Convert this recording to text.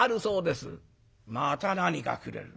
「また何かくれる。